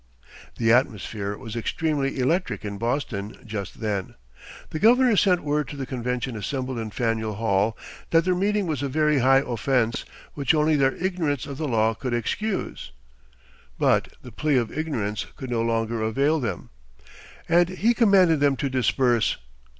The atmosphere was extremely electric in Boston just then. The governor sent word to the convention assembled in Faneuil Hall that their meeting was "a very high offense" which only their ignorance of the law could excuse; but the plea of ignorance could no longer avail them, and he commanded them to disperse.